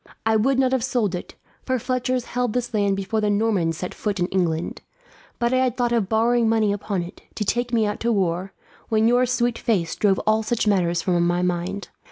I would not have sold it, for Fletchers held this land before the Normans set foot in England; but I had thoughts of borrowing money upon it, to take me out to the war, when your sweet face drove all such matters from my mind.